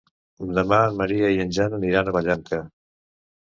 Demà en Maria i en Jan aniran a Vallanca.